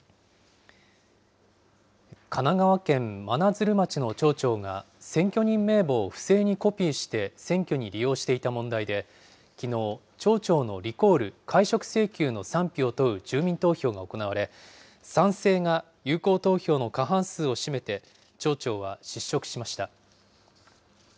神奈川県真鶴町の町長が選挙人名簿を不正にコピーして選挙に利用していた問題で、きのう、町長のリコール・解職請求の賛否を問う住民投票が行われ、賛成が有効投票の過半数を占めて、町長は失職しました。